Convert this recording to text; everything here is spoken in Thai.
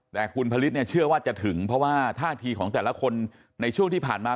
แต่คุณผลิตเนี่ยเชื่อว่าจะถึงเพราะว่าท่าทีของแต่ละคนในช่วงที่ผ่านมา